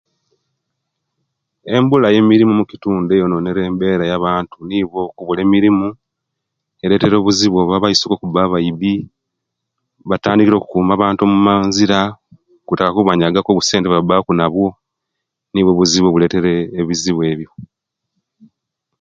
Embula ye'mirimo omukitundu eyononele embeera ya'bantu nikwo okukola emirimu kitera obuzibu oba abaisuka okuba abaibi batandikire okukuuma abantu omumanzira Kuta kubanyaga ku obusente obubabaaku nabwo niwo obuzibu obuletere ebizibu ebyo.